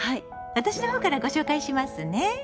私のほうからご紹介しますね。